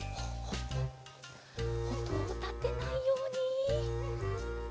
おとをたてないように。